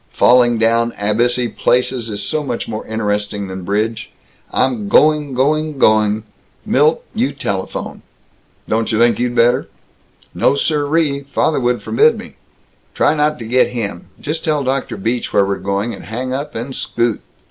Falling down abyssy places is so much more interesting than bridge. I'm going going going!... Milt, you telephone." "Don't you think you better?" "No, siree! Father would forbid me. Try not to get him just tell Dr. Beach where we're going, and hang up, and scoot!"